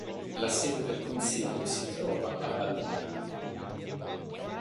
La sede del consiglio si trova a Ballina.